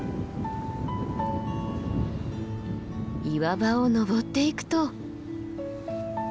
岩場を登っていくと。